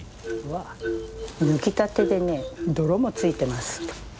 わっ抜きたてでね泥も付いてます。